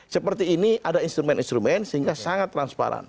seperti ini ada instrumen instrumen sehingga sangat transparan